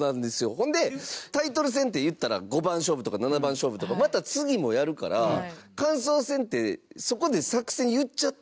ほんで、タイトル戦っていったら五番勝負とか七番勝負とかまた、次もやるから感想戦ってそこで、作戦言っちゃったら。